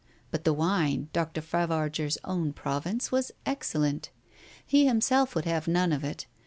But the wine, Dr. Favarger's own province, was excellent. He himself would have none of it.